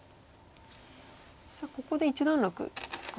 さあここで一段落ですか？